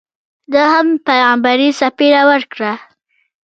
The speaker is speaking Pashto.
ده هم پیغمبري څپېړه ورکړه.